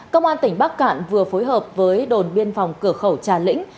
công an tỉnh bắc cạn vừa phối hợp với đồn biên phòng cửa khẩu trà lĩnh